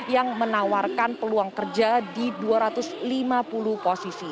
yang menawarkan peluang kerja di dua ratus lima puluh posisi